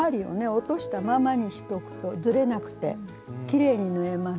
落としたままにしとくとずれなくてきれいに縫えます。